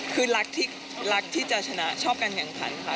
คือรักที่จะชนะชอบการแข่งขันค่ะ